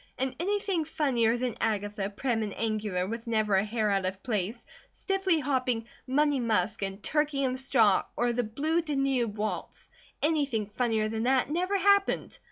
And anything funnier than Agatha, prim and angular with never a hair out of place, stiffly hopping "Money Musk" and "Turkey In The Straw," or the "Blue Danube" waltz, anything funnier than that, never happened.